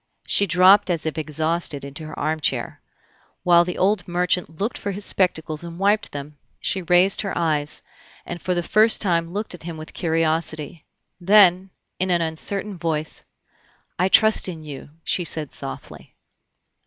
She dropped as if exhausted into her armchair. While the old merchant looked for his spectacles and wiped them, she raised her eyes, and for the first time looked at him with curiosity; then, in an uncertain voice, "I trust in you," she said softly.